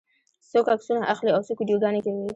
څوک عکسونه اخلي او څوک ویډیوګانې کوي.